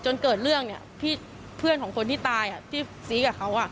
จนเกิดเรื่องเนี่ยเพื่อนของคนที่ตายที่ซี้กับเขา